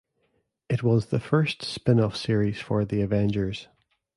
It was the first spin-off series for the Avengers.